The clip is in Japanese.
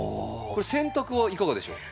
これ洗濯はいかがでしょう？